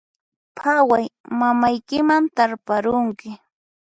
Phaway, mamaykiman tarparunki